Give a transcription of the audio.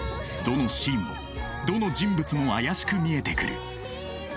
どのシーンもどの人物も怪しく見えてくる。